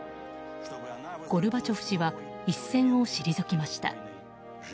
ゴルバチョフ氏は一線を退きました。